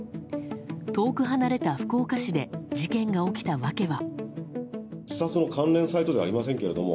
遠く離れた福岡市で事件が起きた訳は。